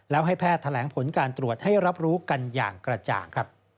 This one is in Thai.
แล้วให้แพทย์แถลงผลการตรวจให้รับรู้กันอย่างกระจ่าง